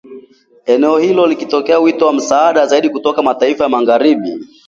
Eneo hilo ikitoa wito wa msaada zaidi kutoka mataifa ya Magharibi